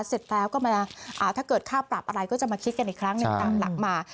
เสร็จแล้วก็มาถ้าเกิดค่าปรับอะไรก็จะมาคิดกันอีกครั้งหนึ่งตามหลักมา